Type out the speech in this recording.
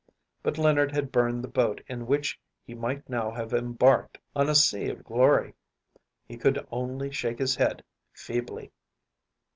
But Leonard had burned the boat in which he might now have embarked on a sea of glory. He could only shake his head feebly.